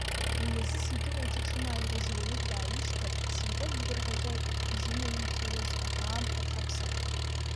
Уи азы Сеидыҟ иҿы дшымааирыз, иуаҩык дааишьҭыр, Сеидыҟ дгәырӷьаҵәа изынаимҭиуаз, аха аамҭа аҽаԥсахт.